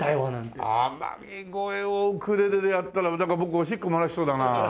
『天城越え』をウクレレでやったら僕おしっこ漏らしそうだな。